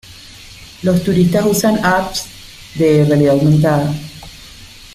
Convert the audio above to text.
Los turistas usan apps de realidad aumentada.